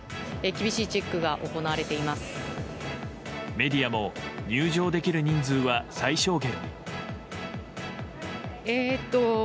メディアも入場できる人数は最小限。